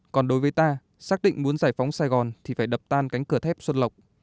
còn đối với ta xác định muốn giải phóng sài gòn thì phải đập tan cánh cửa thép xuân lộc